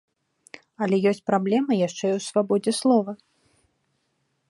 Але ёсць праблема яшчэ і ў свабодзе слова.